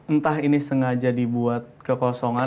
entah ini sengaja dibuat kekosongan